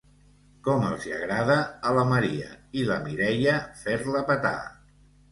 Com els hi agrada a la Maria i la Mireia fer-la petar.